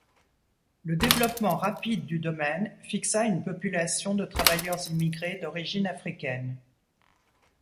Le développement rapide du domaine fixa une population de travailleurs immigrés d’origine africaine.